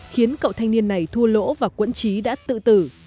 khiến cậu thanh niên này thua lỗ và quẫn trí đã tự tử